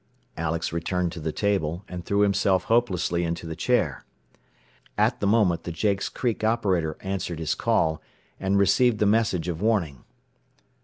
Alex returned to the table, and threw himself hopelessly into the chair. At the moment the Jakes Creek operator answered his call, and received the message of warning.